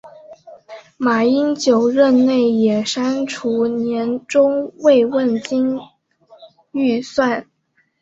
马英九任内也删除年终慰问金预算。